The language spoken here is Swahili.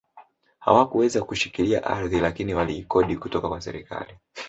Hawakuweza kushikilia ardhi lakini waliikodi kutoka kwa serikali